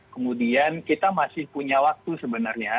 kemudian kita masih punya waktu sebenarnya